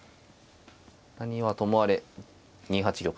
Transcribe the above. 何はともあれ２八玉と。